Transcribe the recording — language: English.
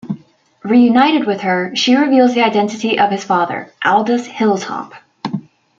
Reunited with her, she reveals the identity of his father: Aldus Hilltop.